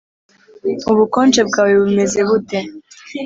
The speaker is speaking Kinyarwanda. ubukonje bwawe bumeze bute